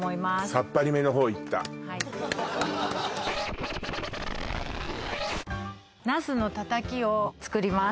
サッパリめのほういったはいナスのたたきを作ります